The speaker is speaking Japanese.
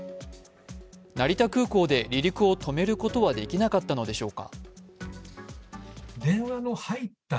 成田空港で離陸を止めることはできなかったのでしょうか。